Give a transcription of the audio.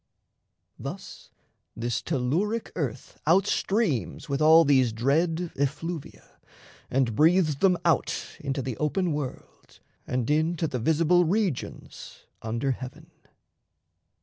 Thus, this telluric earth Out streams with all these dread effluvia And breathes them out into the open world And into the visible regions under heaven.